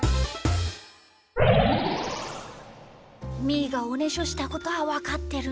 みーがおねしょしたことはわかってるんだ。